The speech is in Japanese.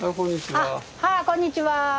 あっあこんにちは。